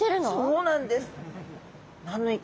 そうなんです。